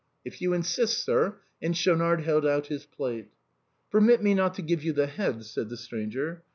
"" If you insist, sir," and Schaunard held out his plate. " Permit me not to give you the head," said the stranger.